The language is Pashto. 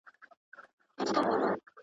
چي نه ساقي، نه میخانه سته زه به چیري ځمه.